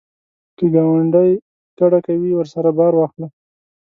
که ګاونډی کډه کوي، ورسره بار واخله